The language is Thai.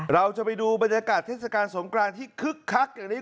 เราจะไปดูบรรยากาศเทศกาลสงกรานที่คึกคักอย่างนี้